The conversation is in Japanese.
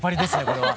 これは。